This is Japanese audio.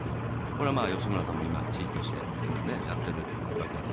これは、吉村さんも今、知事として、やっているわけですけれども。